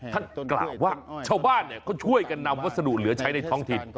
กล่าวว่าชาวบ้านเขาช่วยกันนำวัสดุเหลือใช้ในท้องถิ่น